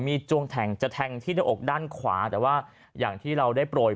มีจวงแทงจะแทงที่หน้าอกด้านขวาแต่ว่าอย่างที่เราได้โปรย